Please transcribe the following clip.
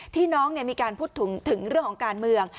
ที่น้องมีการพูดถึงเรื่องของการเมือง